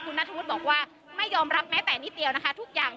คุณนัทธวุฒิบอกว่าไม่ยอมรับแม้แต่นิดเดียวนะคะทุกอย่าง